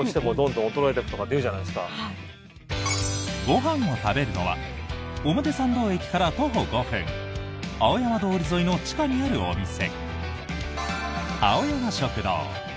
ご飯を食べるのは表参道駅から徒歩５分青山通り沿いの地下にあるお店青山食堂。